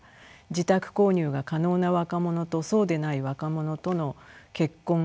自宅購入が可能な若者とそうでない若者との結婚・出産格差